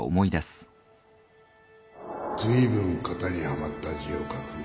ずいぶん型にはまった字を書くね